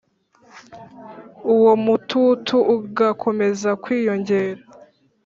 uwo mututu ugakomeza kwiyongera,